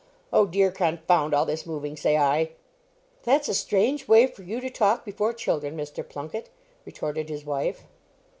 Oh, dear! confound all this moving, say I." "That's a strange way for you to talk before children, Mr. Plunket," retorted his wife.